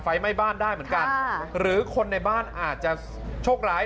ไฟไหม้บ้านได้เหมือนกันหรือคนในบ้านอาจจะโชคร้าย